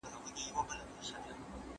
خالصه کوفته پروسس شوې نه ګڼل کېږي.